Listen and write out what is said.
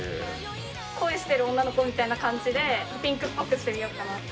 恋してる女の子みたいな感じでピンクっぽくしてみようかなと。